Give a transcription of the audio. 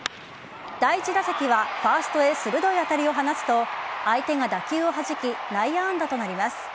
第一打席はファーストへ鋭い当たりを放つと相手が打球をはじき内野安打となります。